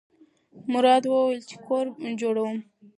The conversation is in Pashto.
مراد وویل چې کور جوړوم.